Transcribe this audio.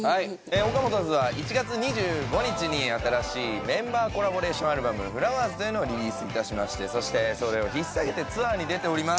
ＯＫＡＭＯＴＯ’Ｓは１月２５日に新しいメンバーコラボレーションアルバム『Ｆｌｏｗｅｒｓ』というのをリリース致しましてそしてそれを引っ提げてツアーに出ております。